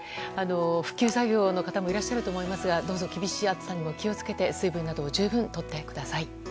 復旧作業の方もいらっしゃると思いますがどうぞ厳しい暑さには気を付けて水分などを十分とってください。